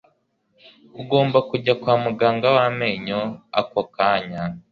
Ugomba kujya kwa muganga w'amenyo ako kanya.